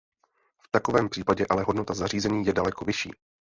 V takovém případě ale hodnota zařízení je daleko vyšší.